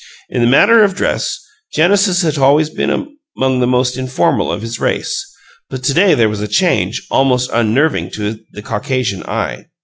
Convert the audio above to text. In the matter of dress, Genesis had always been among the most informal of his race, but to day there was a change almost unnerving to the Caucasian eye.